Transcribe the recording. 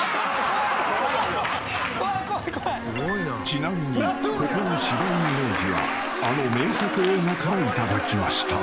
［ちなみにここの芝居のイメージはあの名作映画から頂きました］